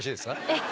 ええ。